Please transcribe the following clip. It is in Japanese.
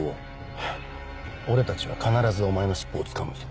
ハァ俺たちは必ずお前の尻尾をつかむぞ。